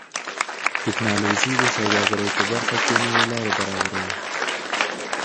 ټکنالوژي د سوداګرۍ په برخه کې نوې لارې برابروي.